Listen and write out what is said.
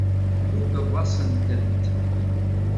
Tmuddeḍ-asent-tent.